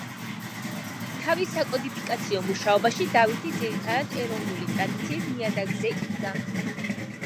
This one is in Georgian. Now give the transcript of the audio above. თავის საკოდიფიკაციო მუშაობაში დავითი ძირითადად ეროვნული ტრადიციის ნიადაგზე იდგა.